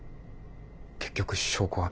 結局証拠は。